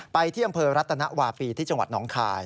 ไปที่อำเภอรัตนวาปีที่จังหวัดหนองคาย